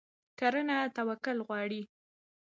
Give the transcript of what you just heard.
کرنه توکل غواړي.